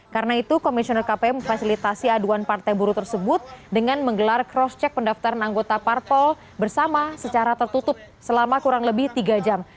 karena itu komisioner kpu memfasilitasi aduan partai buru tersebut dengan menggelar cross check pendaftaran anggota partai bersama secara tertutup selama kurang lebih tiga jam